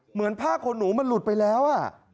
เหมือนผ้าขนหนูมันหลุดไปแล้ว